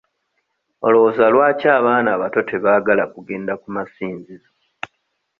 Olowooza lwaki abaana abato tebaagala kugenda ku masinzizo?